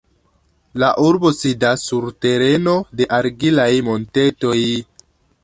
La urbo sidas sur tereno de argilaj montetoj.